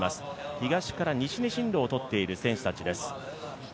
東から西に進路をとっている選手たちです。